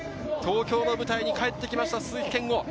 東京の舞台に帰ってきました、鈴木健吾。